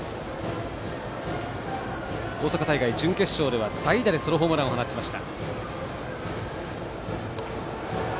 大阪大会、準決勝では代打でソロホームランを放ちました。